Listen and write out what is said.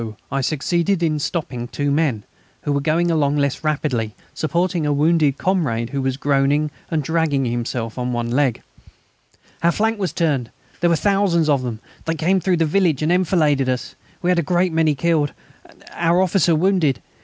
I succeeded in stopping two men, who were going along less rapidly, supporting a wounded comrade who was groaning and dragging himself on one leg. "Our flank was turned; there are thousands of them. They came through the village and enfiladed us. We had a great many killed ... our officer wounded.